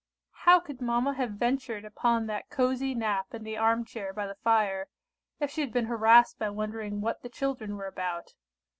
How could mamma have ventured upon that cosy nap in the arm chair by the fire, if she had been harassed by wondering what the children were about?